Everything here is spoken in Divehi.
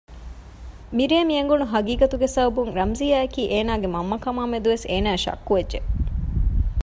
މިރޭ މި އެނގުނު ހަޤީޤަތުގެ ސަބަބުން ރަމްޒިއްޔާއަކީ އޭނާގެ މަންމަ ކަމާމެދުވެސް އޭނާއަށް ޝައްކުވެއްޖެ